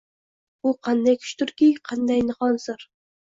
Bu qanday kuchdirki, qanday nihon sir? –